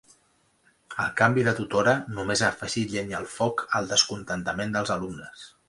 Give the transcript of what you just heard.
El canvi de tutora només ha afegit llenya al foc al descontentament dels alumnes.